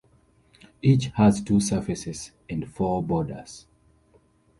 Each has two surfaces and four borders.